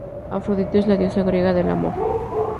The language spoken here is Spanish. Afrodita es la diosa griega del amor.